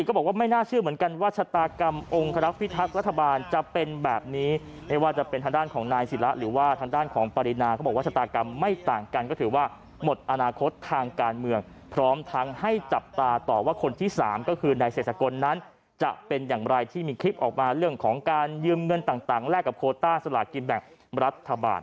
ก็คือในเศรษฐกรณ์นั้นจะเป็นอย่างไรที่มีคลิปออกมาเรื่องของการยืมเงินต่างแลกกับโคต้าสลากินแบบรัฐบาล